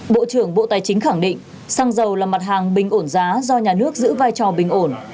bộ trưởng bộ tài chính khẳng định xăng dầu là mặt hàng bình ổn giá do nhà nước giữ vai trò bình ổn